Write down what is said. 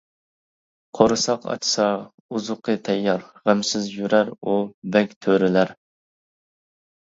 قورساق ئاچسا ئوزۇقى تەييار، غەمسىز يۈرەر ئۇ «بەگ-تۆرىلەر» .